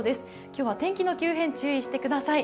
今日は天気の急変注意してください。